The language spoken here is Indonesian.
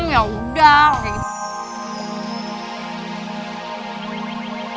ya udah lari